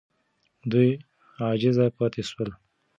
دوی عاجز پاتې سول.